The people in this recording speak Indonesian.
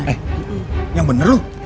eh yang bener lu